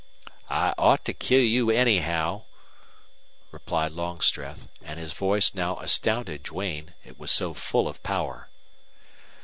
"I ought to kill you anyhow!" replied Longstreth. And his voice now astounded Duane, it was so full of power.